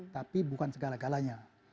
tapi bukan segala galanya